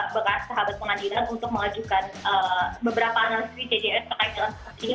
begak sahabat pengadilan untuk mengajukan beberapa analisis icpr terkait dalam kasus ini